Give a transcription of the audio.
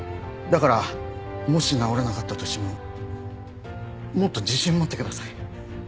だからもし治らなかったとしてももっと自信持ってください。